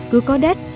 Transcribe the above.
cứ có đất